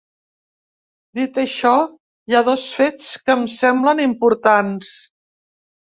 Dit això, hi ha dos fets que em semblem importants.